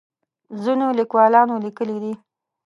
ځینو لیکوالانو لیکلي دي.